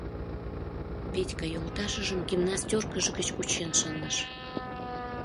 Петька йолташыжым гимнастеркыж гыч кучен шындыш.